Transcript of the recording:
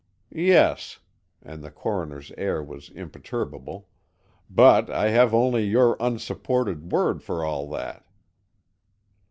"Yes," and the Coroner's air was imperturbable, "but I have only your unsupported word for all that."